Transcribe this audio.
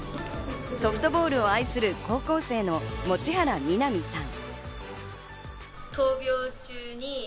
ソフトボールを愛する高校生の持原南さん。